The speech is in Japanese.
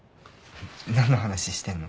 何の話してんの？